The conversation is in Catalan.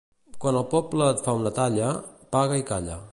Quan el poble et fa una talla, paga i calla.